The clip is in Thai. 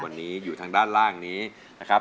วันนี้อยู่ทางด้านล่างนี้นะครับ